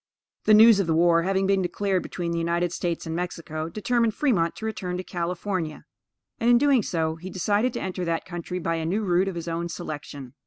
The news of war having been declared between the United States and Mexico, determined Fremont to return to California; and, in doing so, he decided to enter that country by a new route of his own selection.